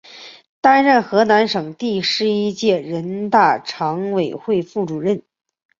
担任河南省第十一届人大常委会副主任。